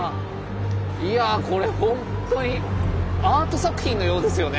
いやこれほんとにアート作品のようですよね。